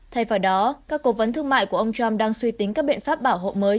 thay vào đó các cố vấn thương mại của ông trump đang suy tính các biện pháp bảo hộ mới